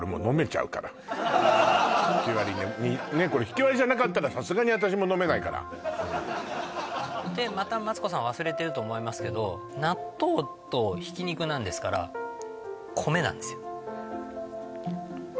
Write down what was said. これひきわりじゃなかったらさすがに私も飲めないからでまたマツコさん忘れてると思いますけど納豆と挽肉なんですから米なんですよ